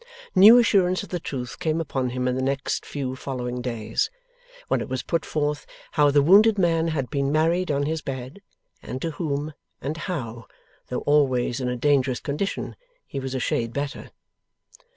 New assurance of the truth came upon him in the next few following days, when it was put forth how the wounded man had been married on his bed, and to whom, and how, though always in a dangerous condition, he was a shade better.